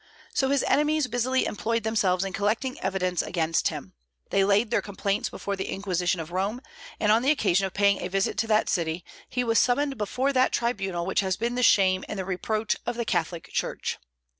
So his enemies busily employed themselves in collecting evidence against him. They laid their complaints before the Inquisition of Rome, and on the occasion of paying a visit to that city, he was summoned before that tribunal which has been the shame and the reproach of the Catholic Church.